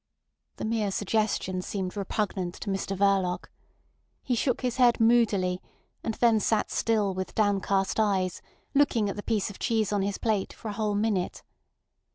The mere suggestion seemed repugnant to Mr Verloc. He shook his head moodily, and then sat still with downcast eyes, looking at the piece of cheese on his plate for a whole minute.